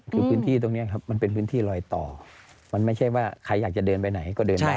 คือพื้นที่ตรงนี้ครับมันเป็นพื้นที่ลอยต่อมันไม่ใช่ว่าใครอยากจะเดินไปไหนก็เดินได้